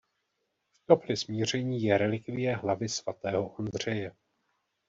V Kapli smíření je relikvie hlavy svatého Ondřeje.